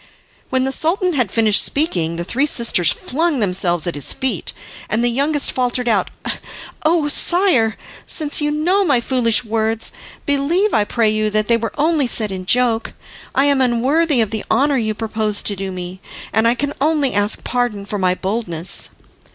When the Sultan had finished speaking the three sisters flung themselves at his feet, and the youngest faltered out, "Oh, sire, since you know my foolish words, believe, I pray you, that they were only said in joke. I am unworthy of the honour you propose to do me, and I can only ask pardon for my boldness."